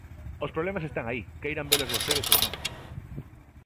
Os problemas están aí, queiran velos vostedes ou non.